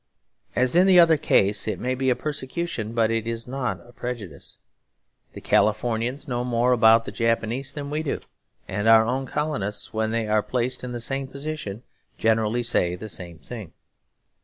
As in the other case, it may be a persecution but it is not a prejudice. The Californians know more about the Japanese than we do; and our own colonists when they are placed in the same position generally say the same thing.